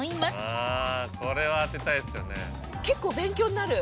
あぁこれは当てたいですよね。